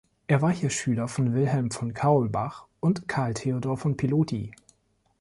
Er war hier Schüler von Wilhelm von Kaulbach und Karl Theodor von Piloty.